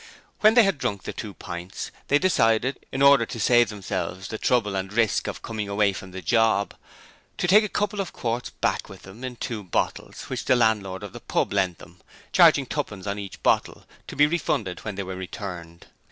When they had drunk the two pints, they decided in order to save themselves the trouble and risk of coming away from the job to take a couple of quarts back with them in two bottles, which the landlord of the pub lent them, charging twopence on each bottle, to be refunded when they were returned.